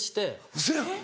ウソやん。